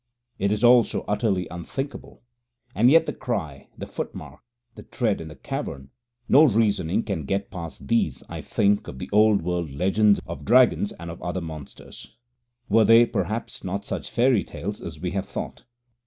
It is all so utterly unthinkable. And yet the cry, the footmark, the tread in the cavern no reasoning can get past these I think of the old world legends of dragons and of other monsters. Were they, perhaps, not such fairy tales as we have thought?